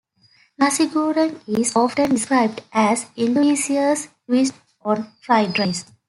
"Nasi goreng" is often described as Indonesia's twist on fried rice.